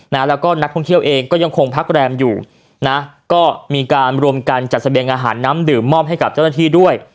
แล้วก็นักท่องเที่ยวเองก็ยังคงพักแรมอยู่นะก็มีการรวมกันจัดเสบียงอาหารน้ำดื่มมอบให้กับเจ้าหน้าที่ด้วย